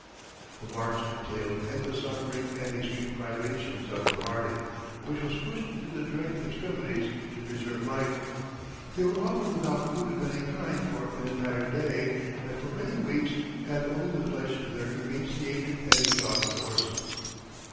The march entailed endless suffering and extreme privations on the party, which was pushed to the direst extremities to preserve life. They were often without food of any kind for an entire day and for many weeks had only the flesh of their emaciated and exhausted horses.